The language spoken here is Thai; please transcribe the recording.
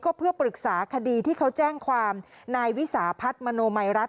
ก็เพื่อปรึกษาคดีที่เขาแจ้งความนายวิสาพัฒน์มโนมัยรัฐ